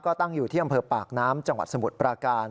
ก็ตั้งอยู่ที่อำเภอปากน้ำจังหวัดสมุทรปราการ